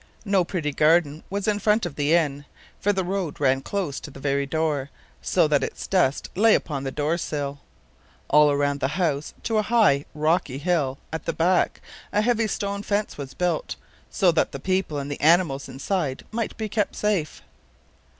No pretty garden was in front of the inn, for the road ran close to the very door, so that its dust lay upon the doorsill. All around the house, to a high, rocky hill [Pg 65]at the back, a heavy stone fence was built, so that the people and the animals inside might be kept safe.